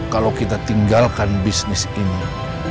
kalau kita tinggalkan bisnis ini